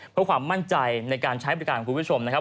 เพื่อความมั่นใจในการใช้บริการของคุณผู้ชมนะครับ